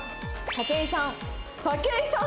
武井さん。